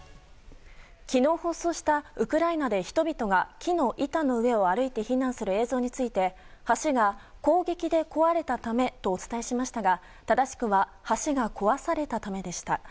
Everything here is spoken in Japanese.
昨日放送したウクライナで人々が木の板の上を歩いて避難する映像について橋が攻撃で壊れたためとお伝えしましたが正しくは橋が壊されたためでした。